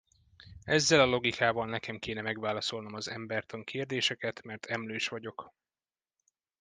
Ezzel a logikával nekem kéne megválaszolnom az embertan kérdéseket, mert emlős vagyok.